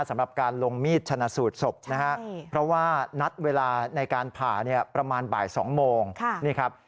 สำหรับการลงมีดชนะสูตรศพนะฮะเพราะว่านัดเวลาในการผ่าเนี่ยประมาณบ่าย๒โมงนี่ครับ